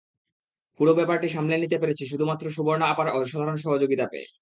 পুরো ব্যাপারটি সামলে নিতে পেরেছি শুধুমাত্র সুবর্ণা আপার অসাধারণ সহযোগিতা পেয়ে।